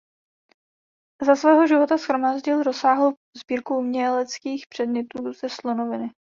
Za svého života shromáždil rozsáhlou sbírku uměleckých předmětů ze slonoviny.